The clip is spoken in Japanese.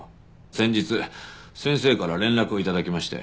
先日先生から連絡を頂きまして。